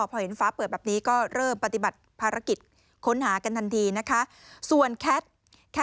พอเห็นฟ้าเปิดแบบนี้ก็เริ่มปฏิบัติภารกิจค้นหากันทันทีนะคะ